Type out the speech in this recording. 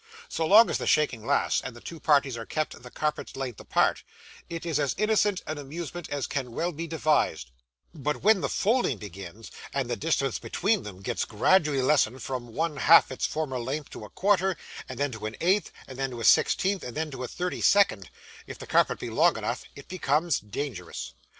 So long as the shaking lasts, and the two parties are kept the carpet's length apart, it is as innocent an amusement as can well be devised; but when the folding begins, and the distance between them gets gradually lessened from one half its former length to a quarter, and then to an eighth, and then to a sixteenth, and then to a thirty second, if the carpet be long enough, it becomes dangerous.